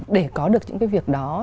để có được những cái việc đó